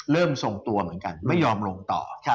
ทรงตัวเหมือนกันไม่ยอมลงต่อ